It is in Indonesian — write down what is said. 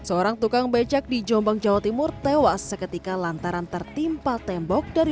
hai seorang tukang becak di jombang jawa timur tewas seketika lantaran tertimpa tembok dari